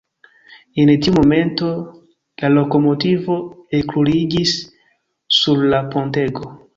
En tiu momento la lokomotivo ekruliĝis sur la pontego.